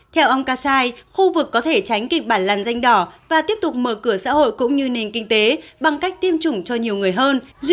theo ông kassai khu vực có thể tránh kịch bản làn danh đỏ và tiếp tục mở cửa xã hội cũng như nền kinh tế bằng cách tiêm chủng cho nhiều người hơn